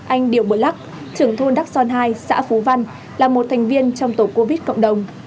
anh điều bờ lắc trưởng thôn đắc son hai xã phú văn là một thành viên trong tổ covid cộng đồng